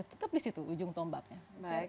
tetap di situ ujung tombaknya